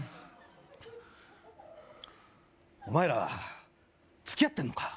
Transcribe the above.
お前ら付き合ってんのか？